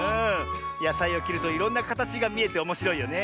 やさいをきるといろんなかたちがみえておもしろいよね。